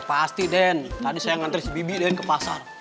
pasti den tadi saya ngantri si bibi ke pasar